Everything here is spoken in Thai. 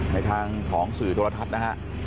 ในทางของสื่อโทรทัศน์นะฮะ